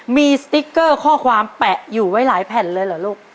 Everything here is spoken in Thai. มีสติ๊กเกอร์ข้อความแปะอยู่ไว้หลายแผ่นเลยเหรอลูก